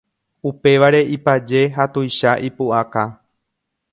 upévare ipaje ha tuicha ipu'aka.